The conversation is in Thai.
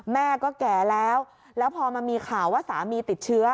แม่ก็แก่แล้วแล้วพอมันมีข่าวว่าสามีติดเชื้อ